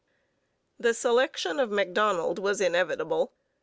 The selection of Macdonald was inevitable.